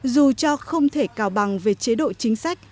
dù cho không thể cào bằng về chế độ chính sách